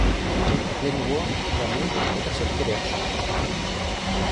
Для него, для мужа, это всё-таки легче.